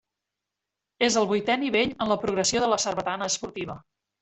I és el vuitè nivell en la progressió de la sarbatana esportiva.